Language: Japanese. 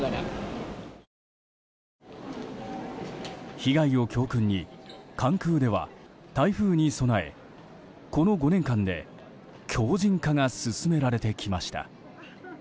被害を教訓に関空では台風に備えこの５年間で強靭化が進められてきました。